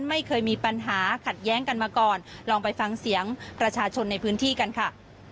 ไม่เคยมีปัญหาขัดแย้งกันมาก่อนลองไปฟังเสียงประชาชนในพื้นที่กันค่ะ